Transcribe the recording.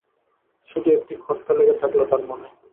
শুধু একটি খটকা লেগে থাকল তার মনে।